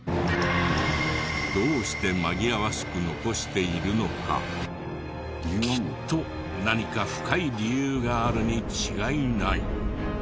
どうして紛らわしく残しているのかきっと何か深い理由があるに違いない。